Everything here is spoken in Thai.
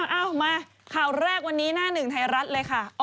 เอามาข่าวแรกวันนี้หน้าหนึ่งไทยรัฐเลยค่ะ